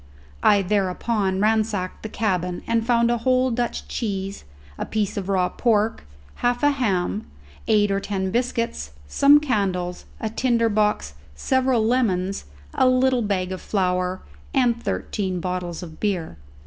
I thereupon ransacked the cabin, and found a whole Dutch cheese, a piece of raw pork, half a ham, eight or ten biscuits, some candles, a tinder box, several lemons, a little bag of flower, and thirteen bottles of beer.